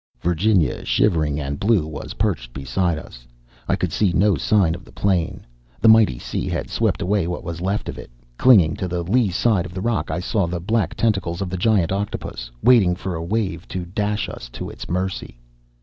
Virginia, shivering and blue, was perched beside us. I could see no sign of the plane: the mighty sea had swept away what was left of it. Clinging to the lee side of the rock I saw the black tentacles of the giant octopus waiting for a wave to dash us to its mercy.